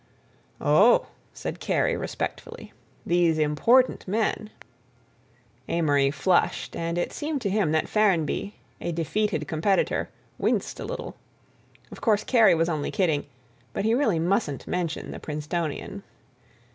"Oh," said Kerry respectfully, "these important men—" Amory flushed and it seemed to him that Ferrenby, a defeated competitor, winced a little. Of course, Kerry was only kidding, but he really mustn't mention the Princetonian.